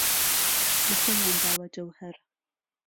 له خۆیان داوه جهوههر